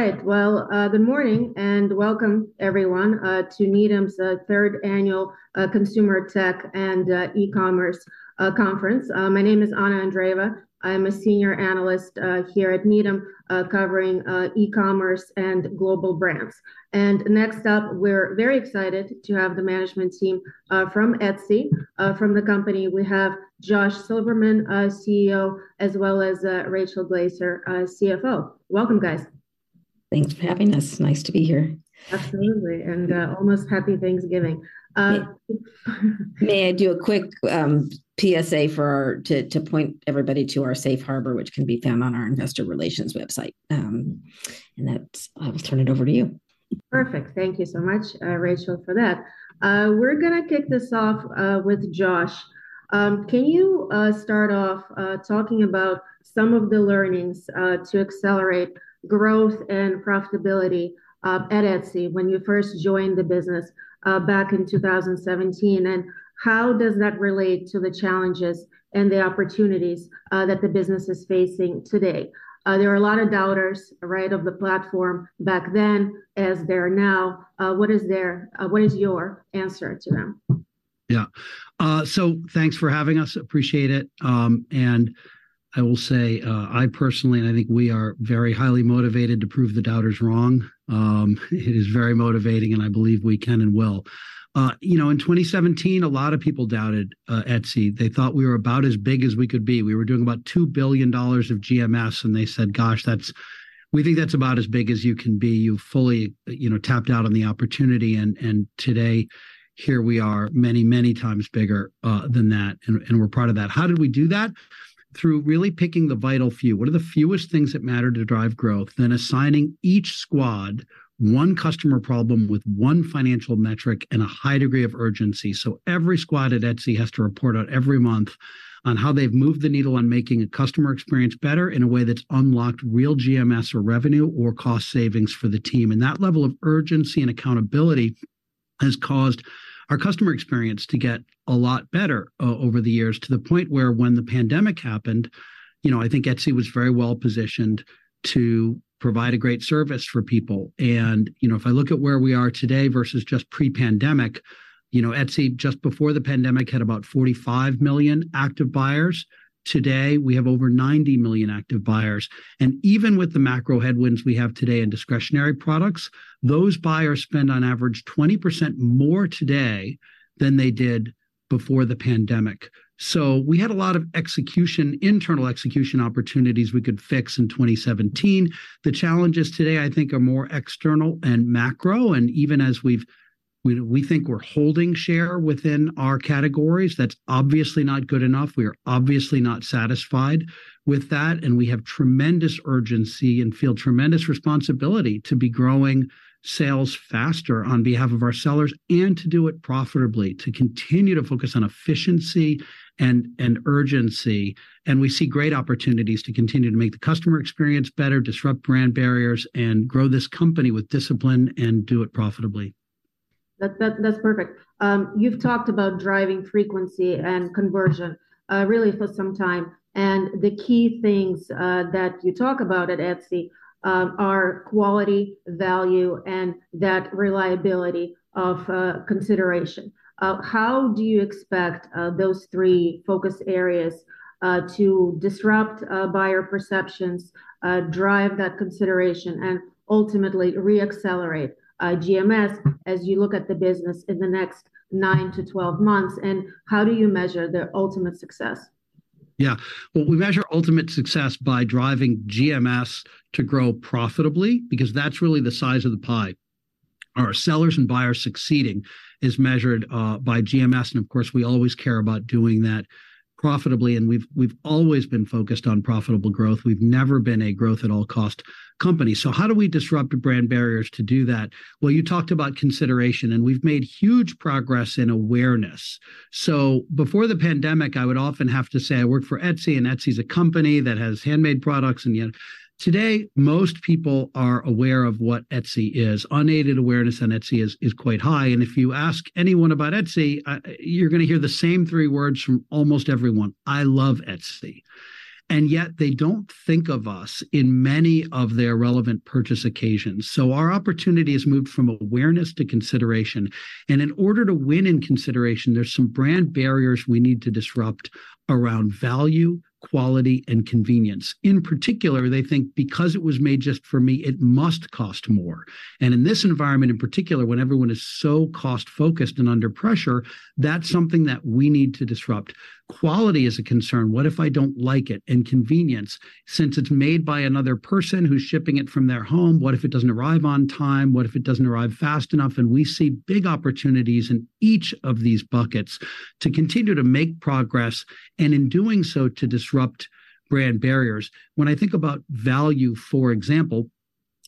All right, well, good morning, and welcome, everyone, to Needham's third annual Consumer Tech and E-commerce Conference. My name is Anna Andreeva. I'm a senior analyst here at Needham covering e-commerce and global brands. Next up, we're very excited to have the management team from Etsy. From the company, we have Josh Silverman, CEO, as well as Rachel Glaser, CFO. Welcome, guys. Thanks for having us. Nice to be here. Absolutely, and, almost Happy Thanksgiving. May I do a quick PSA to point everybody to our safe harbor, which can be found on our investor relations website? And that's it. I'll turn it over to you. Perfect. Thank you so much, Rachel, for that. We're gonna kick this off with Josh. Can you start off talking about some of the learnings to accelerate growth and profitability at Etsy when you first joined the business back in 2017? And how does that relate to the challenges and the opportunities that the business is facing today? There were a lot of doubters, right, of the platform back then as there are now. What is their, what is your answer to them? Yeah. So thanks for having us, appreciate it. And I will say, I personally, and I think we are very highly motivated to prove the doubters wrong. It is very motivating, and I believe we can and will. You know, in 2017, a lot of people doubted Etsy. They thought we were about as big as we could be. We were doing about $2 billion of GMS, and they said, "Gosh, that's... We think that's about as big as you can be. You've fully, you know, tapped out on the opportunity." And today, here we are, many, many times bigger than that, and we're proud of that. How did we do that? Through really picking the vital few. What are the fewest things that matter to drive growth? Then assigning each squad one customer problem with one financial metric and a high degree of urgency. So every squad at Etsy has to report out every month on how they've moved the needle on making a customer experience better in a way that's unlocked real GMS or revenue or cost savings for the team. And that level of urgency and accountability has caused our customer experience to get a lot better over the years, to the point where when the pandemic happened, you know, I think Etsy was very well positioned to provide a great service for people. And, you know, if I look at where we are today versus just pre-pandemic, you know, Etsy, just before the pandemic, had about 45 million Active Buyers. Today, we have over 90 million Active Buyers. Even with the macro headwinds we have today in discretionary products, those buyers spend on average 20% more today than they did before the pandemic. So we had a lot of execution, internal execution opportunities we could fix in 2017. The challenges today, I think, are more external and macro, and even as we think we're holding share within our categories, that's obviously not good enough. We are obviously not satisfied with that, and we have tremendous urgency and feel tremendous responsibility to be growing sales faster on behalf of our sellers and to do it profitably, to continue to focus on efficiency and urgency. And we see great opportunities to continue to make the customer experience better, disrupt brand barriers, and grow this company with discipline and do it profitably. That's perfect. You've talked about driving frequency and conversion, really for some time, and the key things that you talk about at Etsy are quality, value, and that reliability of consideration. How do you expect those three focus areas to disrupt buyer perceptions, drive that consideration, and ultimately re-accelerate GMS as you look at the business in the next 9-12 months? And how do you measure the ultimate success? Yeah. Well, we measure ultimate success by driving GMS to grow profitably, because that's really the size of the pie. Our sellers and buyers succeeding is measured by GMS, and of course, we always care about doing that profitably, and we've always been focused on profitable growth. We've never been a growth-at-all-cost company. So how do we disrupt brand barriers to do that? Well, you talked about consideration, and we've made huge progress in awareness. So before the pandemic, I would often have to say, "I work for Etsy, and Etsy is a company that has handmade products," and yet today, most people are aware of what Etsy is. Unaided awareness on Etsy is quite high, and if you ask anyone about Etsy, you're gonna hear the same three words from almost everyone: "I love Etsy." And yet, they don't think of us in many of their relevant purchase occasions. So our opportunity has moved from awareness to consideration, and in order to win in consideration, there's some brand barriers we need to disrupt around value, quality, and convenience. In particular, they think, "Because it was made just for me, it must cost more." And in this environment in particular, when everyone is so cost-focused and under pressure, that's something that we need to disrupt. Quality is a concern, "What if I don't like it?" And convenience, "Since it's made by another person who's shipping it from their home, what if it doesn't arrive on time? What if it doesn't arrive fast enough?" We see big opportunities in each of these buckets to continue to make progress, and in doing so, to disrupt brand barriers. When I think about value, for example.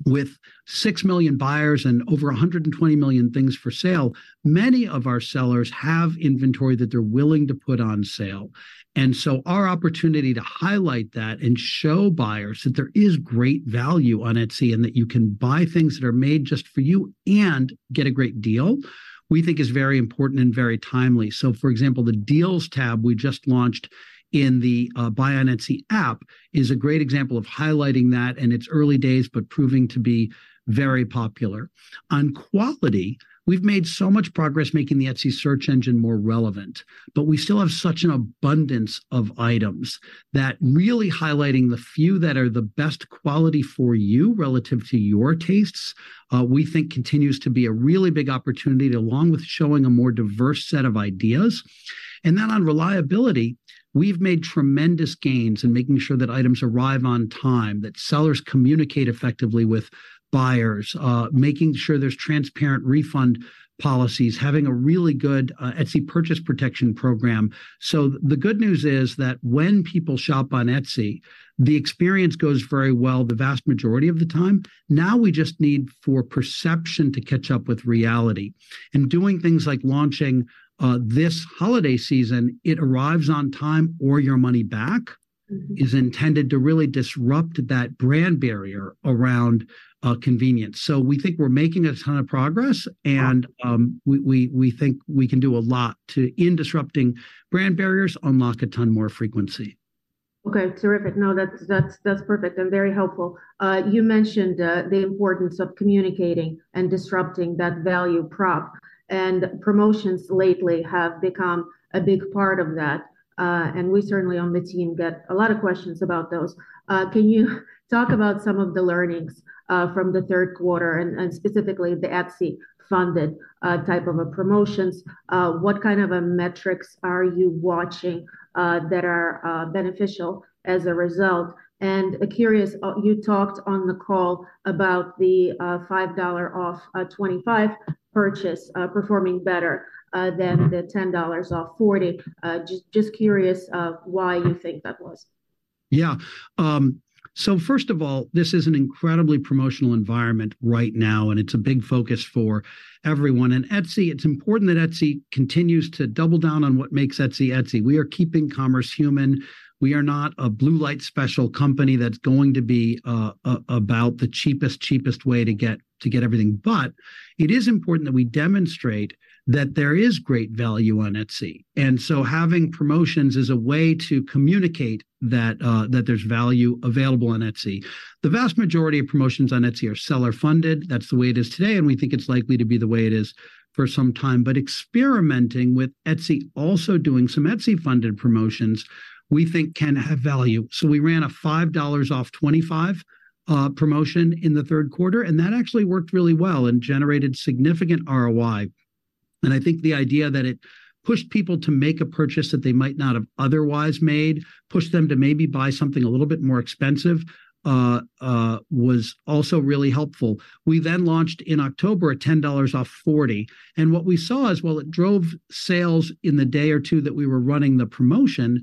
With 6 million buyers and over 120 million things for sale, many of our sellers have inventory that they're willing to put on sale. And so our opportunity to highlight that and show buyers that there is great value on Etsy, and that you can buy things that are made just for you and get a great deal, we think is very important and very timely. So, for example, the Deals Tab we just launched in the Buy on Etsy App is a great example of highlighting that, and it's early days, but proving to be very popular. On quality, we've made so much progress making the Etsy search engine more relevant, but we still have such an abundance of items that really highlighting the few that are the best quality for you relative to your tastes, we think continues to be a really big opportunity, along with showing a more diverse set of ideas. And then on reliability, we've made tremendous gains in making sure that items arrive on time, that sellers communicate effectively with buyers, making sure there's transparent refund policies, having a really good, Etsy Purchase Protection program. So the good news is that when people shop on Etsy, the experience goes very well the vast majority of the time. Now, we just need for perception to catch up with reality, and doing things like launching this holiday season, it arrives on time or your money back, is intended to really disrupt that brand barrier around convenience. So we think we're making a ton of progress, and we think we can do a lot to, in disrupting brand barriers, unlock a ton more frequency. Okay, terrific. No, that's, that's, that's perfect and very helpful. You mentioned the importance of communicating and disrupting that value prop, and promotions lately have become a big part of that. And we certainly on the team get a lot of questions about those. Can you talk about some of the learnings from the third quarter and specifically the Etsy-funded type of a promotions? What kind of a metrics are you watching that are beneficial as a result? And curious, you talked on the call about the $5 off 25 purchase performing better than the $10 off 40. Just curious of why you think that was? Yeah. So first of all, this is an incredibly promotional environment right now, and it's a big focus for everyone. And Etsy, it's important that Etsy continues to double down on what makes Etsy, Etsy. We are keeping commerce human. We are not a blue light special company that's going to be about the cheapest, cheapest way to get, to get everything. But it is important that we demonstrate that there is great value on Etsy, and so having promotions is a way to communicate that that there's value available on Etsy. The vast majority of promotions on Etsy are seller-funded. That's the way it is today, and we think it's likely to be the way it is for some time. But experimenting with Etsy, also doing some Etsy-funded promotions, we think can have value. We ran a $5 off 25 promotion in the third quarter, and that actually worked really well and generated significant ROI. And I think the idea that it pushed people to make a purchase that they might not have otherwise made, pushed them to maybe buy something a little bit more expensive, was also really helpful. We then launched in October a $10 off 40, and what we saw is, while it drove sales in the day or two that we were running the promotion,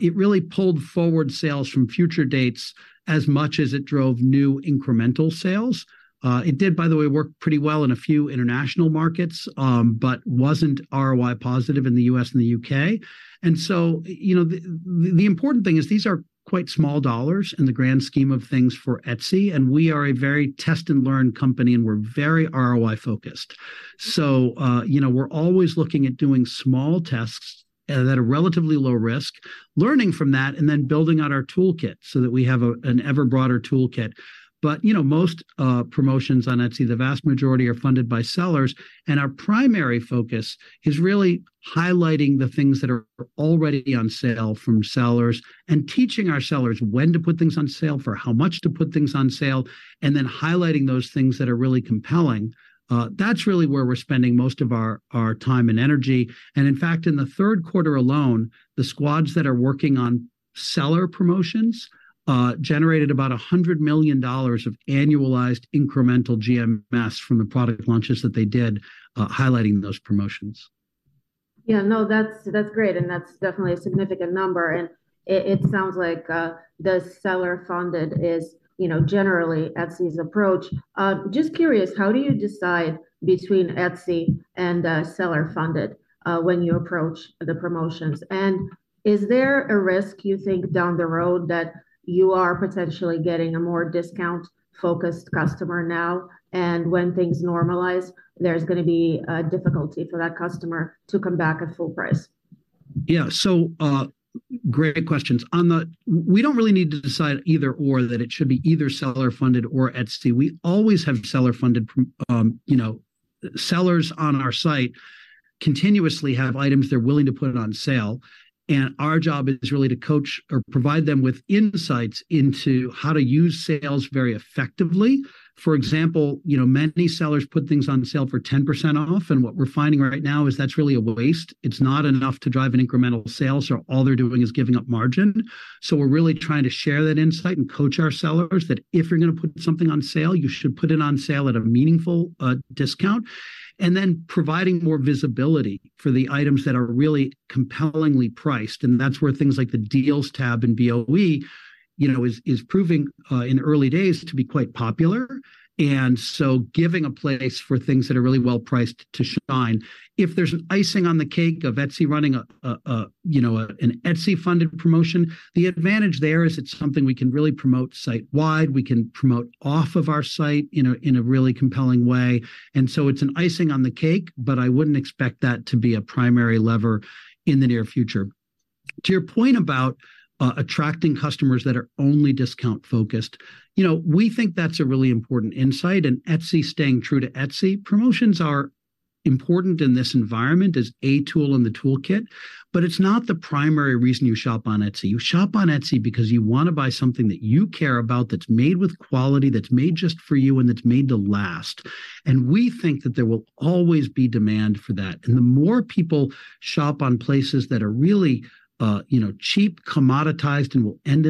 it really pulled forward sales from future dates as much as it drove new incremental sales. It did, by the way, work pretty well in a few international markets, but wasn't ROI positive in the U.S. and the U.K. And so, you know, the important thing is these are quite small dollars in the grand scheme of things for Etsy, and we are a very test-and-learn company, and we're very ROI focused. So, you know, we're always looking at doing small tests at a relatively low risk, learning from that, and then building out our toolkit so that we have an ever broader toolkit. But, you know, most promotions on Etsy, the vast majority are funded by sellers, and our primary focus is really highlighting the things that are already on sale from sellers and teaching our sellers when to put things on sale, for how much to put things on sale, and then highlighting those things that are really compelling. That's really where we're spending most of our time and energy. In fact, in the third quarter alone, the squads that are working on seller promotions generated about $100 million of annualized incremental GMS from the product launches that they did, highlighting those promotions. Yeah, no, that's, that's great, and that's definitely a significant number. And it, it sounds like, the seller-funded is, you know, generally Etsy's approach. Just curious, how do you decide between Etsy and, seller-funded, when you approach the promotions? And is there a risk, you think, down the road, that you are potentially getting a more discount-focused customer now, and when things normalize, there's gonna be a difficulty for that customer to come back at full price? Yeah. So, great questions. On the we don't really need to decide either/or, that it should be either seller-funded or Etsy. We always have seller-funded, you know, sellers on our site continuously have items they're willing to put it on sale, and our job is really to coach or provide them with insights into how to use sales very effectively. For example, you know, many sellers put things on sale for 10% off, and what we're finding right now is that's really a waste. It's not enough to drive an incremental sale, so all they're doing is giving up margin. So we're really trying to share that insight and coach our sellers, that if you're gonna put something on sale, you should put it on sale at a meaningful discount. Then providing more visibility for the items that are really compellingly priced, and that's where things like the Deals Tab and BOE... you know, is proving in early days to be quite popular, and so giving a place for things that are really well-priced to shine. If there's an icing on the cake of Etsy running a, you know, an Etsy-funded promotion, the advantage there is it's something we can really promote site-wide. We can promote off of our site in a really compelling way, and so it's an icing on the cake, but I wouldn't expect that to be a primary lever in the near future. To your point about attracting customers that are only discount-focused, you know, we think that's a really important insight, and Etsy staying true to Etsy. Promotions are important in this environment as a tool in the toolkit, but it's not the primary reason you shop on Etsy. You shop on Etsy because you wanna buy something that you care about, that's made with quality, that's made just for you, and that's made to last, and we think that there will always be demand for that. And the more people shop on places that are really, you know, cheap, commoditized, and will end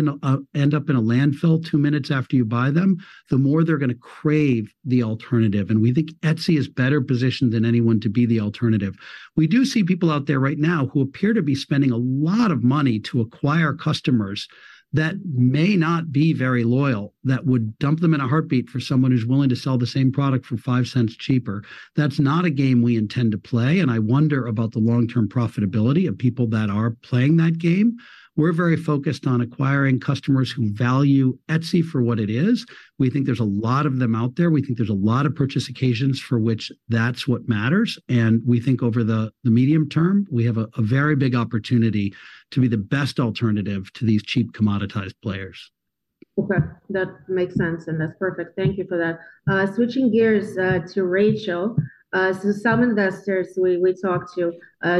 up in a landfill two minutes after you buy them, the more they're gonna crave the alternative, and we think Etsy is better positioned than anyone to be the alternative. We do see people out there right now who appear to be spending a lot of money to acquire customers that may not be very loyal, that would dump them in a heartbeat for someone who's willing to sell the same product for five cents cheaper. That's not a game we intend to play, and I wonder about the long-term profitability of people that are playing that game. We're very focused on acquiring customers who value Etsy for what it is. We think there's a lot of them out there. We think there's a lot of purchase occasions for which that's what matters, and we think over the medium term, we have a very big opportunity to be the best alternative to these cheap, commoditized players. Okay, that makes sense, and that's perfect. Thank you for that. Switching gears to Rachel. So some investors we talked to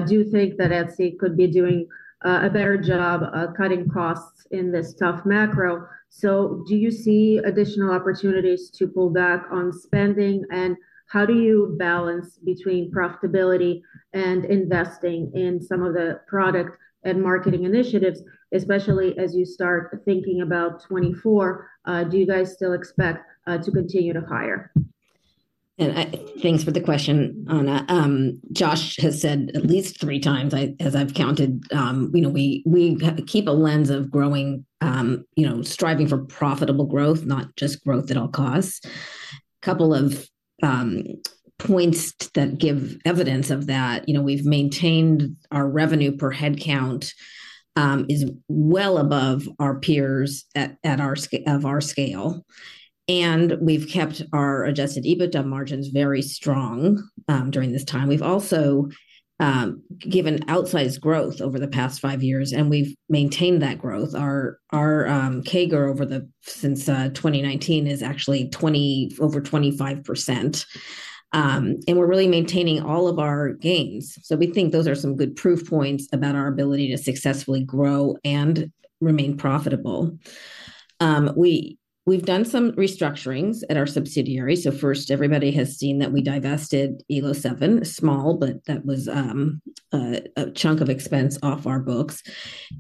do think that Etsy could be doing a better job of cutting costs in this tough macro. So do you see additional opportunities to pull back on spending, and how do you balance between profitability and investing in some of the product and marketing initiatives? Especially as you start thinking about 2024, do you guys still expect to continue to hire? Thanks for the question, Anna. Josh has said at least three times, as I've counted, you know, we keep a lens of growing, you know, striving for profitable growth, not just growth at all costs. Couple of points that give evidence of that, you know, we've maintained our revenue per headcount is well above our peers at our scale, and we've kept our adjusted EBITDA margins very strong during this time. We've also given outsized growth over the past five years, and we've maintained that growth. Our CAGR since 2019 is actually over 25%. And we're really maintaining all of our gains. So we think those are some good proof points about our ability to successfully grow and remain profitable. We've done some restructurings at our subsidiaries. So first, everybody has seen that we divested Elo7, small, but that was a chunk of expense off our books.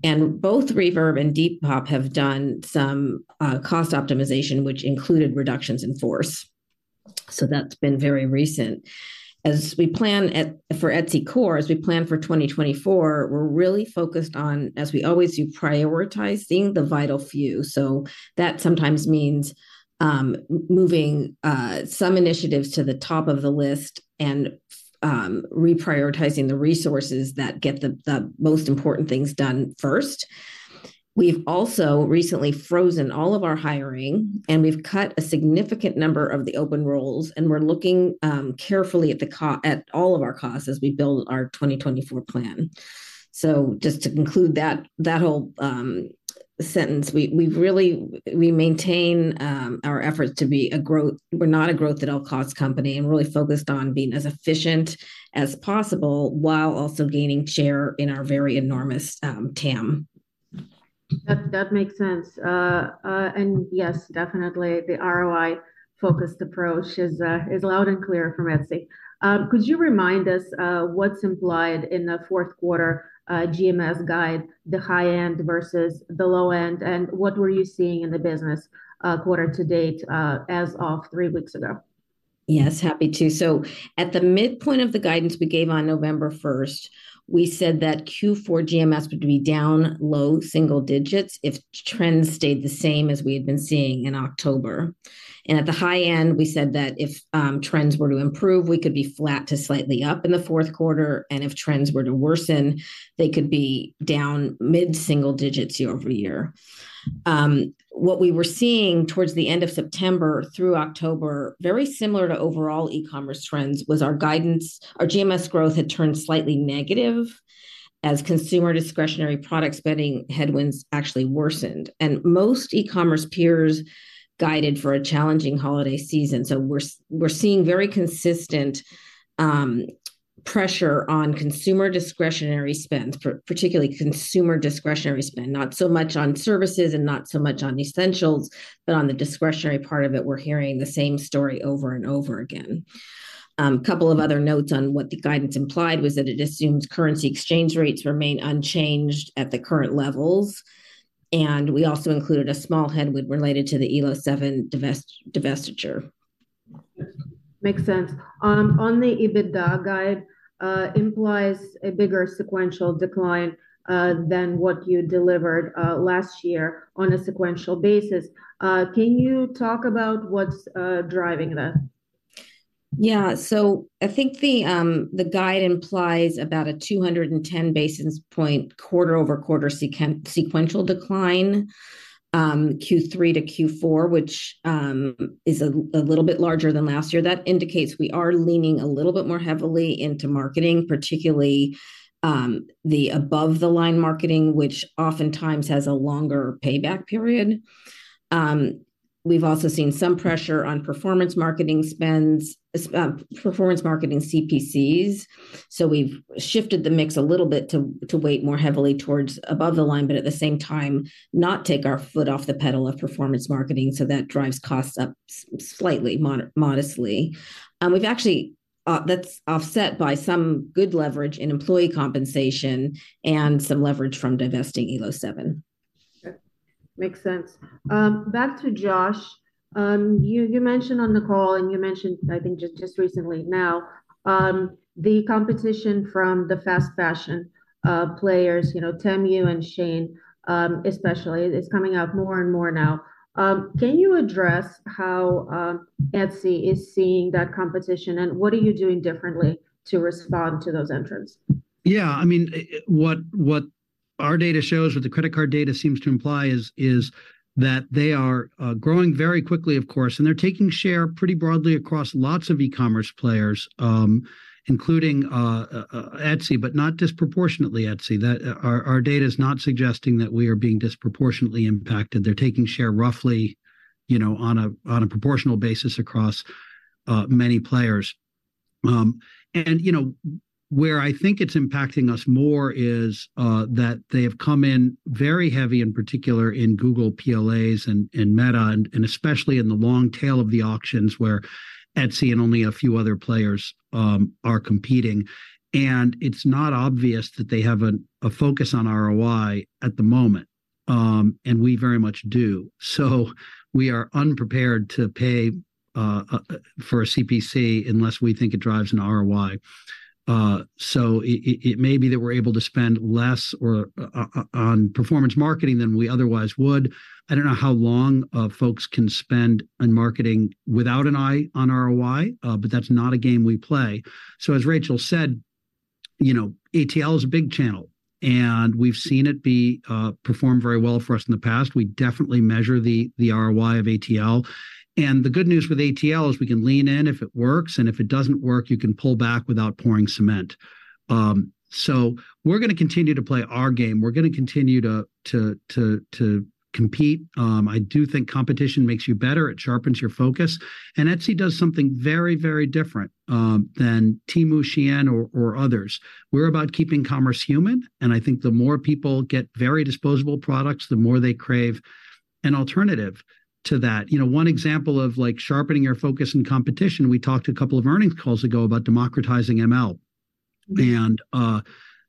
And both Reverb and Depop have done some cost optimization, which included reductions in force, so that's been very recent. As we plan for Etsy Core, as we plan for 2024, we're really focused on, as we always do, prioritizing the vital few. So that sometimes means moving some initiatives to the top of the list and reprioritizing the resources that get the most important things done first. We've also recently frozen all of our hiring, and we've cut a significant number of the open roles, and we're looking carefully at all of our costs as we build our 2024 plan. So just to conclude that whole sentence, we maintain our efforts to be a growth... We're not a growth at all costs company and really focused on being as efficient as possible while also gaining share in our very enormous TAM. That makes sense. Yes, definitely the ROI-focused approach is loud and clear from Etsy. Could you remind us what's implied in the fourth quarter GMS guide, the high end versus the low end, and what were you seeing in the business quarter to date as of three weeks ago? Yes, happy to. So at the midpoint of the guidance we gave on November first, we said that Q4 GMS would be down low-single-digits if trends stayed the same as we had been seeing in October. And at the high end, we said that if trends were to improve, we could be flat to slightly up in the fourth quarter, and if trends were to worsen, they could be down mid-single-digits year-over-year. What we were seeing towards the end of September through October, very similar to overall e-commerce trends, was our guidance, our GMS growth had turned slightly negative as consumer discretionary product spending headwinds actually worsened, and most e-commerce peers guided for a challenging holiday season. So we're seeing very consistent pressure on consumer discretionary spend, particularly consumer discretionary spend. Not so much on services and not so much on essentials, but on the discretionary part of it, we're hearing the same story over and over again. Couple of other notes on what the guidance implied was that it assumes currency exchange rates remain unchanged at the current levels, and we also included a small headwind related to the Elo7 divestiture. ... Makes sense. On the EBITDA guide, implies a bigger sequential decline than what you delivered last year on a sequential basis. Can you talk about what's driving that? Yeah. So I think the guide implies about a 210 basis point quarter-over-quarter sequential decline, Q3 to Q4, which is a little bit larger than last year. That indicates we are leaning a little bit more heavily into marketing, particularly the above-the-line marketing, which oftentimes has a longer payback period. We've also seen some pressure on performance marketing spends, performance marketing CPCs, so we've shifted the mix a little bit to weight more heavily towards above-the-line, but at the same time, not take our foot off the pedal of performance marketing, so that drives costs up slightly, modestly. We've actually, that's offset by some good leverage in employee compensation and some leverage from divesting Elo7. Sure. Makes sense. Back to Josh. You mentioned on the call, and you mentioned, I think, just recently now, the competition from the fast fashion players, you know, Temu and SHEIN, especially, is coming out more and more now. Can you address how Etsy is seeing that competition, and what are you doing differently to respond to those entrants? Yeah, I mean, what our data shows, what the credit card data seems to imply is that they are growing very quickly, of course, and they're taking share pretty broadly across lots of e-commerce players, including Etsy, but not disproportionately Etsy. That our data is not suggesting that we are being disproportionately impacted. They're taking share roughly, you know, on a proportional basis across many players. And, you know, where I think it's impacting us more is that they have come in very heavy, in particular, in Google PLAs and Meta, and especially in the long tail of the auctions, where Etsy and only a few other players are competing. And it's not obvious that they have a focus on ROI at the moment, and we very much do. So we are unprepared to pay for a CPC unless we think it drives an ROI. So it may be that we're able to spend less or on performance marketing than we otherwise would. I don't know how long folks can spend on marketing without an eye on ROI, but that's not a game we play. So as Rachel said, you know, ATL is a big channel, and we've seen it be performed very well for us in the past. We definitely measure the ROI of ATL. And the good news with ATL is we can lean in if it works, and if it doesn't work, you can pull back without pouring cement. So we're gonna continue to play our game. We're gonna continue to compete. I do think competition makes you better. It sharpens your focus. Etsy does something very, very different than Temu, SHEIN, or, or others. We're about keeping commerce human, and I think the more people get very disposable products, the more they crave an alternative to that. You know, one example of, like, sharpening our focus and competition, we talked a couple of earnings calls ago about democratizing ML. Mm-hmm. And,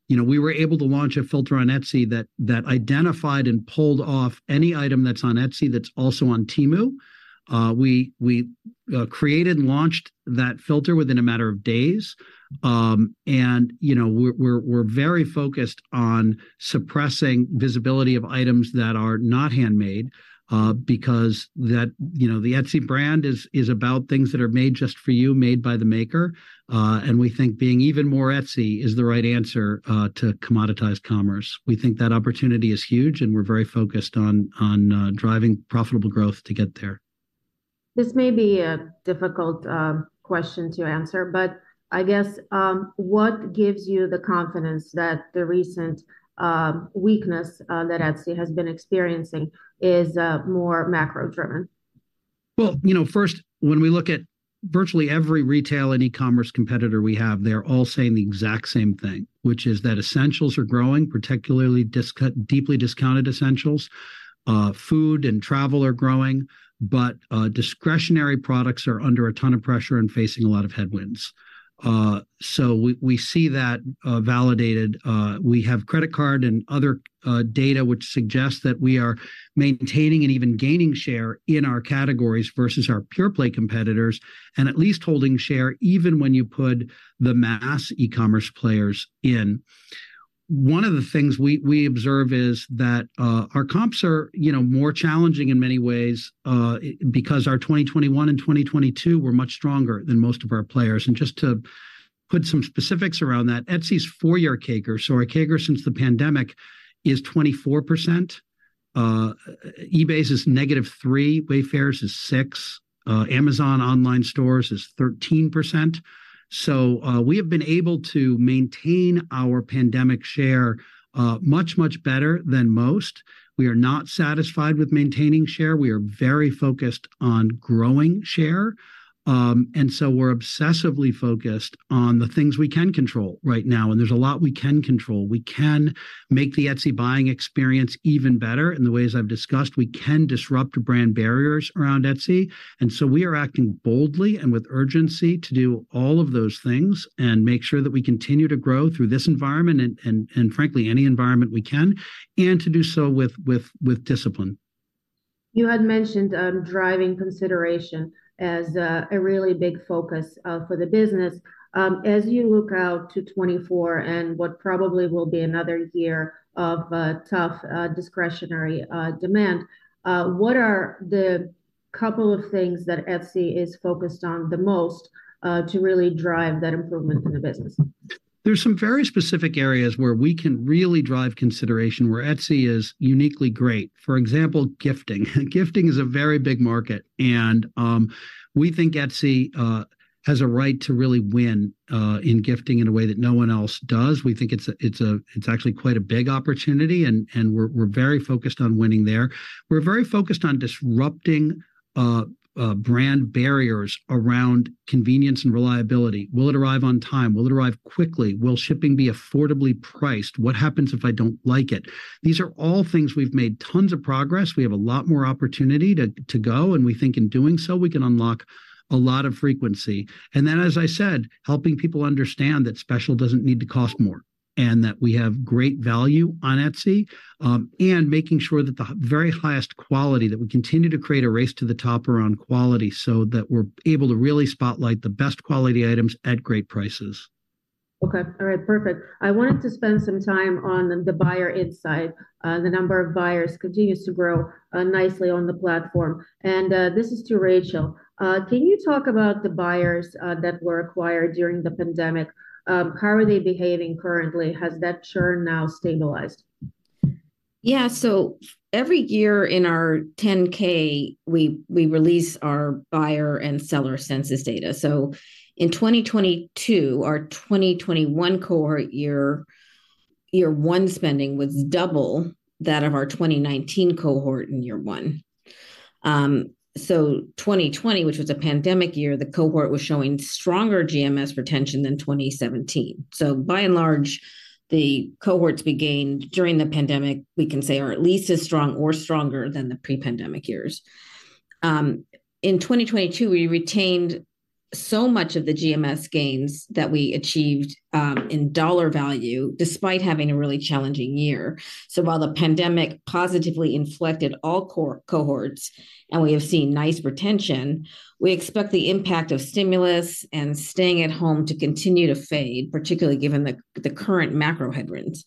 you know, we were able to launch a filter on Etsy that identified and pulled off any item that's on Etsy that's also on Temu. We created and launched that filter within a matter of days. And, you know, we're very focused on suppressing visibility of items that are not handmade, because that, you know, the Etsy brand is about things that are made just for you, made by the maker. And we think being even more Etsy is the right answer to commoditize commerce. We think that opportunity is huge, and we're very focused on driving profitable growth to get there. This may be a difficult question to answer, but I guess what gives you the confidence that the recent weakness that Etsy has been experiencing is more macro driven? Well, you know, first, when we look at virtually every retail and e-commerce competitor we have, they're all saying the exact same thing, which is that essentials are growing, particularly deeply discounted essentials. Food and travel are growing, but discretionary products are under a ton of pressure and facing a lot of headwinds. So we see that validated. We have credit card and other data, which suggests that we are maintaining and even gaining share in our categories versus our pure play competitors, and at least holding share even when you put the mass e-commerce players in. One of the things we observe is that, you know, our comps are more challenging in many ways, because our 2021 and 2022 were much stronger than most of our players. Just to put some specifics around that, Etsy's four-year CAGR, so our CAGR since the pandemic, is 24%. eBay's is -3%, Wayfair's is 6%, Amazon Online Stores is 13%. So, we have been able to maintain our pandemic share, much, much better than most. We are not satisfied with maintaining share. We are very focused on growing share. And so we're obsessively focused on the things we can control right now, and there's a lot we can control. We can make the Etsy buying experience even better in the ways I've discussed. We can disrupt brand barriers around Etsy, and so we are acting boldly and with urgency to do all of those things and make sure that we continue to grow through this environment and frankly, any environment we can, and to do so with discipline.... You had mentioned, driving consideration as a really big focus for the business. As you look out to 2024 and what probably will be another year of tough discretionary demand, what are the couple of things that Etsy is focused on the most to really drive that improvement in the business? There's some very specific areas where we can really drive consideration, where Etsy is uniquely great. For example, gifting. Gifting is a very big market, and we think Etsy has a right to really win in gifting in a way that no one else does. We think it's actually quite a big opportunity, and we're very focused on winning there. We're very focused on disrupting brand barriers around convenience and reliability. Will it arrive on time? Will it arrive quickly? Will shipping be affordably priced? What happens if I don't like it? These are all things we've made tons of progress. We have a lot more opportunity to go, and we think in doing so, we can unlock a lot of frequency. And then, as I said, helping people understand that special doesn't need to cost more, and that we have great value on Etsy. Making sure that the very highest quality, that we continue to create a race to the top around quality, so that we're able to really spotlight the best quality items at great prices. Okay. All right, perfect. I wanted to spend some time on the buyer insight. The number of buyers continues to grow nicely on the platform, and this is to Rachel. Can you talk about the buyers that were acquired during the pandemic? How are they behaving currently? Has that churn now stabilized? Yeah, so every year in our 10-K, we release our buyer and seller census data. So in 2022, our 2021 cohort year, year one spending was double that of our 2019 cohort in year one. So 2020, which was a pandemic year, the cohort was showing stronger GMS retention than 2017. So by and large, the cohorts we gained during the pandemic, we can say, are at least as strong or stronger than the pre-pandemic years. In 2022, we retained so much of the GMS gains that we achieved in dollar value, despite having a really challenging year. So while the pandemic positively inflicted all cohorts, and we have seen nice retention, we expect the impact of stimulus and staying at home to continue to fade, particularly given the current macro headwinds.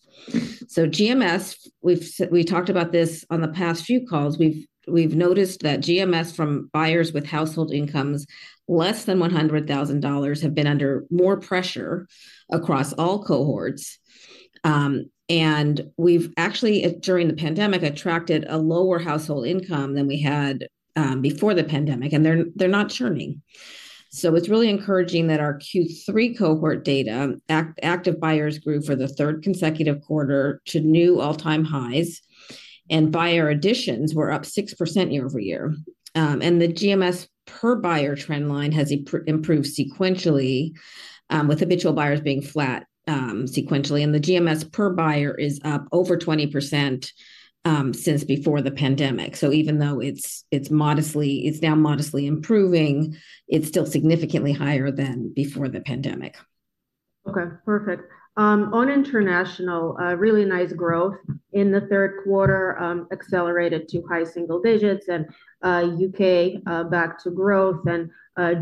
So GMS, we've talked about this on the past few calls. We've noticed that GMS from buyers with household incomes less than $100,000 have been under more pressure across all cohorts, and we've actually, during the pandemic, attracted a lower household income than we had before the pandemic, and they're not churning. So it's really encouraging that our Q3 cohort data, active buyers grew for the third consecutive quarter to new all-time highs, and buyer additions were up 6% year-over-year. And the GMS per buyer trend line has improved sequentially, with habitual buyers being flat sequentially, and the GMS per buyer is up over 20% since before the pandemic. So even though it's modestly improving, it's still significantly higher than before the pandemic. Okay, perfect. On international, a really nice growth in the third quarter, accelerated to high single digits and, U.K., back to growth, and,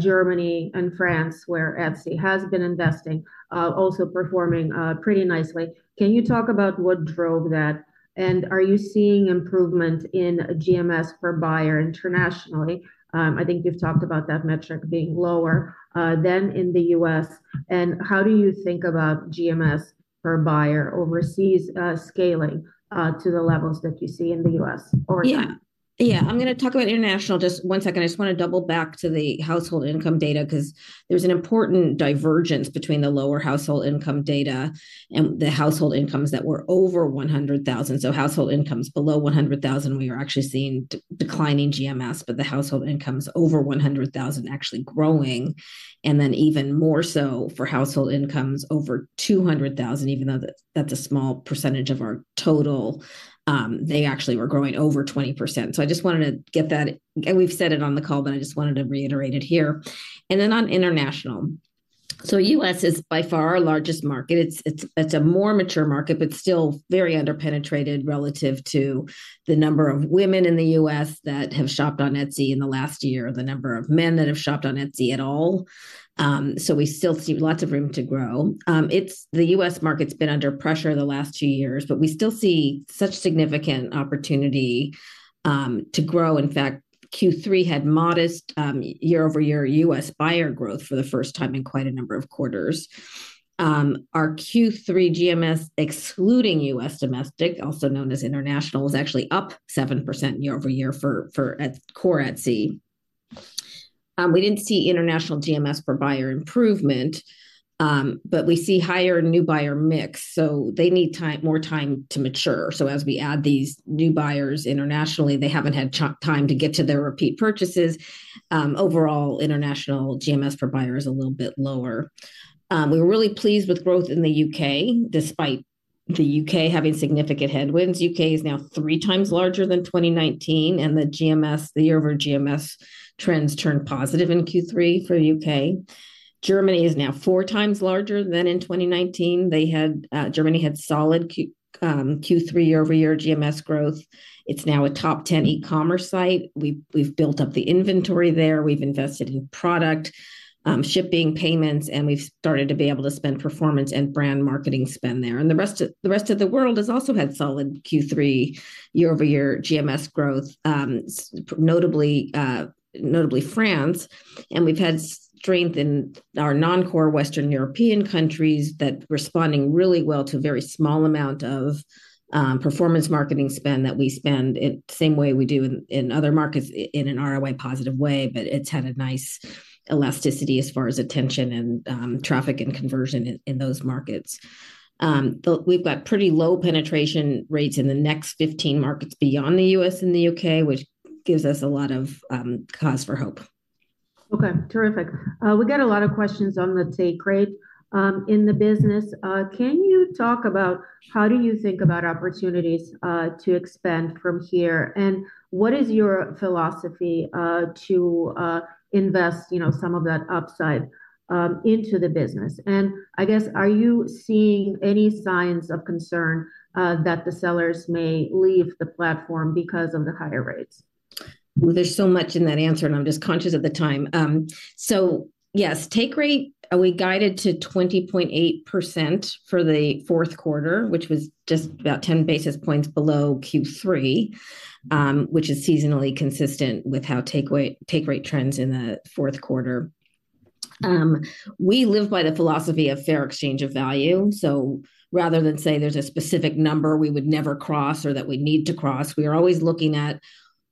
Germany and France, where Etsy has been investing, also performing, pretty nicely. Can you talk about what drove that, and are you seeing improvement in GMS per buyer internationally? I think you've talked about that metric being lower than in the U.S., and how do you think about GMS per buyer overseas, scaling to the levels that you see in the U.S. or- Yeah. Yeah, I'm going to talk about international. Just one second. I just want to double back to the household income data, because there's an important divergence between the lower household income data and the household incomes that were over $100,000. So household incomes below $100,000, we are actually seeing declining GMS, but the household incomes over $100,000 actually growing, and then even more so for household incomes over $200,000, even though that's a small percentage of our total, they actually were growing over 20%. So I just wanted to get that. And we've said it on the call, but I just wanted to reiterate it here. And then on international, so U.S. is by far our largest market. It's a more mature market, but still very underpenetrated relative to the number of women in the U.S. that have shopped on Etsy in the last year, or the number of men that have shopped on Etsy at all. So we still see lots of room to grow. It's the U.S. market's been under pressure the last two years, but we still see such significant opportunity to grow. In fact, Q3 had modest year-over-year U.S. buyer growth for the first time in quite a number of quarters. Our Q3 GMS, excluding U.S. domestic, also known as international, was actually up 7% year-over-year for core Etsy. We didn't see international GMS per buyer improvement, but we see higher new buyer mix, so they need time, more time to mature. As we add these new buyers internationally, they haven't had time to get to their repeat purchases. Overall, international GMS per buyer is a little bit lower. We were really pleased with growth in the U.K., despite the U.K. having significant headwinds. UK is now three times larger than 2019, and the GMS, the year-over-year GMS trends turned positive in Q3 for U.K. Germany is now four times larger than in 2019. They had, Germany had solid Q3 year-over-year GMS growth. It's now a top 10 e-commerce site. We've built up the inventory there. We've invested in product, shipping, payments, and we've started to be able to spend performance and brand marketing spend there. And the rest of the world has also had solid Q3 year-over-year GMS growth, notably France, and we've had strength in our non-core Western European countries that responding really well to a very small amount of performance marketing spend that we spend in the same way we do in other markets in an ROI positive way. But it's had a nice elasticity as far as attention and traffic and conversion in those markets. We've got pretty low penetration rates in the next 15 markets beyond the U.S. and the U.K., which gives us a lot of cause for hope. Okay, terrific. We got a lot of questions on the take rate in the business. Can you talk about how do you think about opportunities to expand from here? And what is your philosophy to invest, you know, some of that upside into the business? And I guess, are you seeing any signs of concern that the sellers may leave the platform because of the higher rates? Ooh, there's so much in that answer, and I'm just conscious of the time. So yes, take rate, we guided to 20.8% for the fourth quarter, which was just about 10 basis points below Q3, which is seasonally consistent with how take rate trends in the fourth quarter. We live by the philosophy of fair exchange of value, so rather than say there's a specific number we would never cross or that we'd need to cross, we are always looking at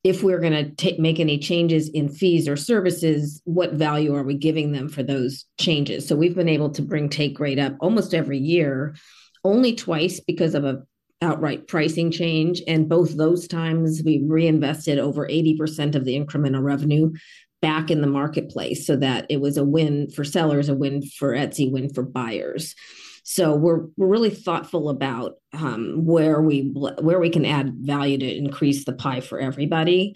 if we're gonna make any changes in fees or services, what value are we giving them for those changes? So we've been able to bring take rate up almost every year, only twice because of an outright pricing change, and both those times we reinvested over 80% of the incremental revenue back in the marketplace so that it was a win for sellers, a win for Etsy, win for buyers. So we're really thoughtful about where we can add value to increase the pie for everybody.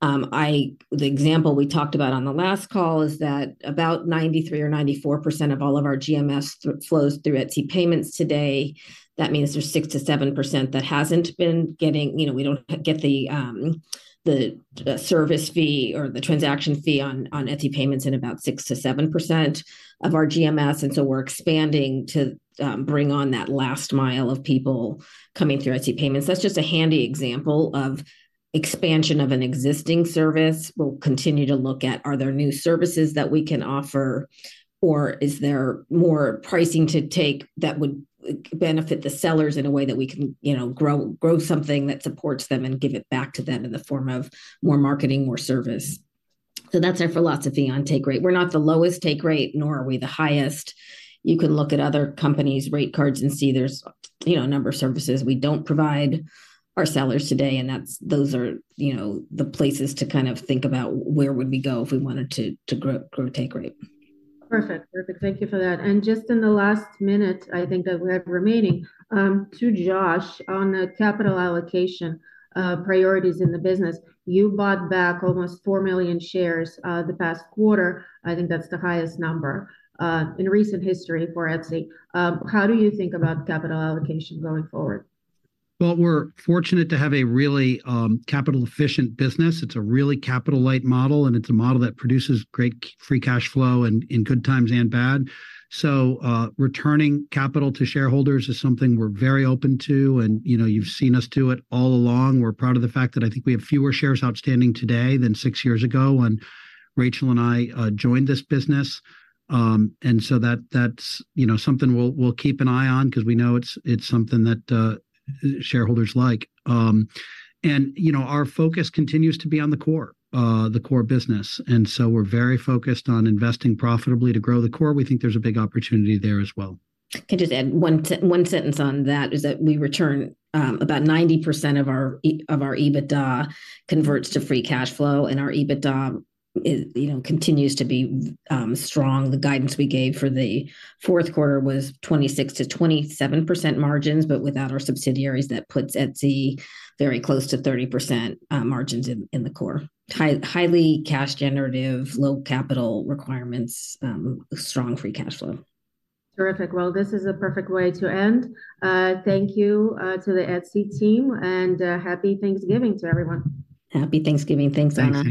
The example we talked about on the last call is that about 93% or 94% of all of our GMS flows through Etsy Payments today. That means there's 6%-7% that hasn't been getting, you know, we don't get the the service fee or the transaction fee on Etsy Payments in about 6%-7% of our GMS, and so we're expanding to bring on that last mile of people coming through Etsy Payments. That's just a handy example of expansion of an existing service. We'll continue to look at are there new services that we can offer, or is there more pricing to take that would benefit the sellers in a way that we can, you know, grow something that supports them and give it back to them in the form of more marketing, more service. So that's our philosophy on Take Rate. We're not the lowest Take Rate, nor are we the highest. You can look at other companies' rate cards and see there's, you know, a number of services we don't provide our sellers today, and those are, you know, the places to kind of think about where we would go if we wanted to grow take rate. Perfect. Perfect, thank you for that. And just in the last minute, I think that we have remaining, to Josh, on the capital allocation priorities in the business. You bought back almost 4 million shares the past quarter. I think that's the highest number in recent history for Etsy. How do you think about capital allocation going forward? Well, we're fortunate to have a really capital-efficient business. It's a really capital-light model, and it's a model that produces great free cash flow in good times and bad. So, returning capital to shareholders is something we're very open to, and, you know, you've seen us do it all along. We're proud of the fact that I think we have fewer shares outstanding today than six years ago when Rachel and I joined this business. And so that's, you know, something we'll keep an eye on because we know it's something that shareholders like. And, you know, our focus continues to be on the core business, and so we're very focused on investing profitably to grow the core. We think there's a big opportunity there as well. Can I just add one sentence on that? Is that we return about 90% of our EBITDA converts to free cash flow, and our EBITDA is, you know, continues to be strong. The guidance we gave for the fourth quarter was 26%-27% margins, but without our subsidiaries, that puts Etsy very close to 30% margins in the core. Highly cash generative, low capital requirements, strong free cash flow. Terrific. Well, this is a perfect way to end. Thank you to the Etsy team, and Happy Thanksgiving to everyone. Happy Thanksgiving. Thanks, Anna.